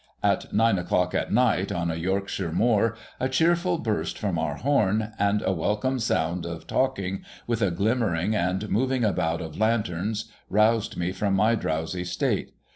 At nine o'clock at night, on a Yorkshire moor, a cheerful burst from our horn, and a welcome sound of talking, with a glimmering and moving about of lanterns, roused me from my drowsy state.